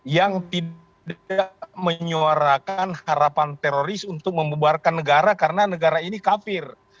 yang tidak menyuarakan harapan teroris untuk membubarkan negara karena negara ini kafir